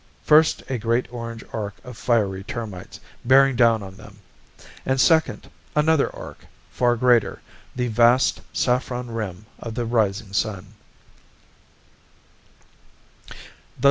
First, a great orange arc of fiery termites, bearing down on them; and second, another arc, far greater the vast saffron rim of the rising sun.